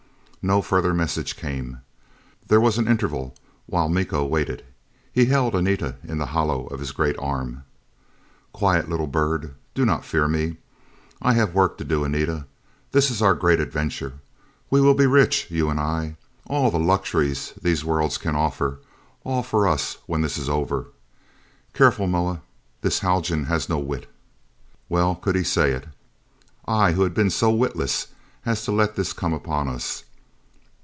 No further message came. There was an interval while Miko waited. He held Anita in the hollow of his great arm. "Quiet, little bird. Do not fear me. I have work to do, Anita, this is our great adventure. We will be rich, you and I. All the luxuries these worlds can offer all for us when this is over. Careful, Moa! This Haljan has no wit." Well could he say it. I, who had been so witless as to let this come upon us!